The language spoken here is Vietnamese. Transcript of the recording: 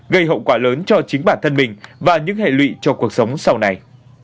gây hậu quả lớn cho chính bản thân mình và những hệ lụy cho cuộc sống sau này